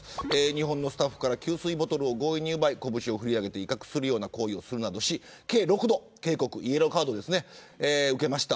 日本のスタッフから給水ボトルを強引に奪い拳を振り上げて威嚇するような行為をするなどし計６度、警告イエローカードを受けました。